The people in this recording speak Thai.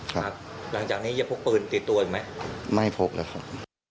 หลังจากนี้จะพกปืนติดตัวอีกไหมไม่พกแล้วครับ